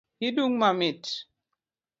Hidung' mamit .